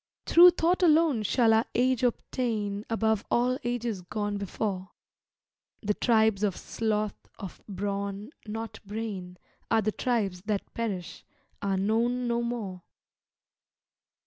Through thought alone shall our Age obtain Above all Ages gone before; The tribes of sloth, of brawn, not brain, Are the tribes that perish, are known no more.